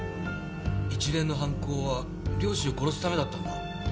一連の犯行は両親を殺すためだったんだ。